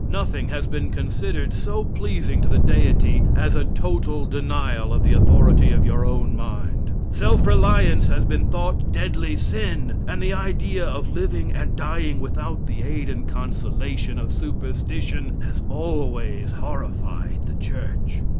Nothing has been considered so pleasing to the Deity as a total denial of the authority of your own mind. Self reliance has been thought deadly sin; and the idea of living and dying without the aid and consolation of superstition has always horrified the church.